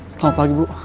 selamat pagi bu